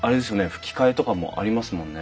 ふき替えとかもありますもんね。